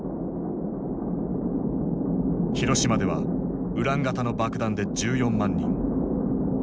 広島ではウラン型の爆弾で１４万人。